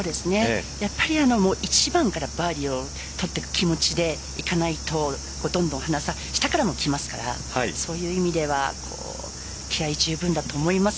やっぱり１番からバーディーを取っていく気持ちでいかないとどんどん離される下からもきますからそういう意味では気合い十分だと思います。